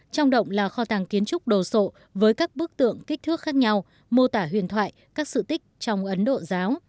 trong động là kho tàng kiến trúc đồ sộ với các bức tượng kích thước khác nhau mô tả huyền thoại các sự tích trong ấn độ giáo